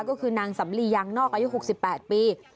ก็คือนางสำลียางนอกอายุ๖๘ปี